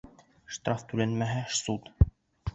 Штраф түләнмәһә, суд.